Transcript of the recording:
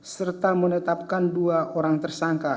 serta menetapkan dua orang tersangka